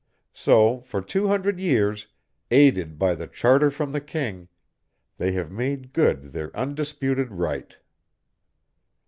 So for two hundred years, aided by the charter from the king, they have made good their undisputed right.